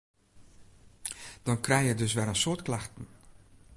Dan krije je dus wer in soad klachten.